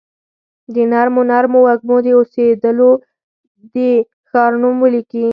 د نرمو نرمو وږمو، د اوسیدولو د ښار نوم ولیکي